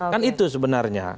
kan itu sebenarnya